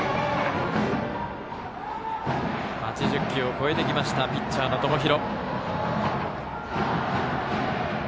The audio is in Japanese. ８０球を超えてきたピッチャーの友廣。